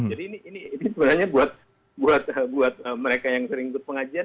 jadi ini sebenarnya buat mereka yang sering ke pengajian